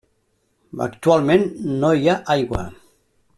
Actualment no hi ha aigua.